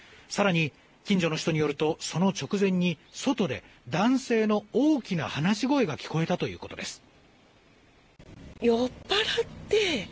更に近所の人によるとその直前に男性の大きな話し声が聞こえたということです。